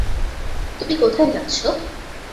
তুমি কোথায় যাচ্ছ?